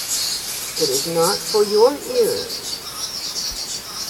It is not for your ears.